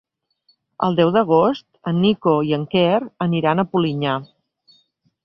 El deu d'agost en Nico i en Quer aniran a Polinyà.